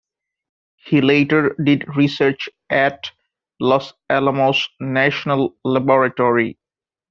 He later did research at Los Alamos National Laboratory.